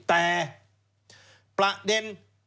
แต่ประเด็น